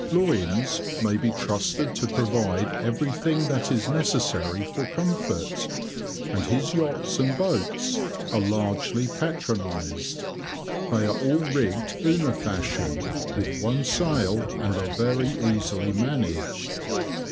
Loynes may be trusted to provide everything that is necessary for comfort, and his yachts and boats are largely patronized. They are all rigged Una fashion, with one sail, and are very easily managed.